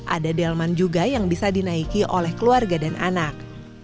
ada delman juga yang bisa dinaiki oleh keluarga dan anak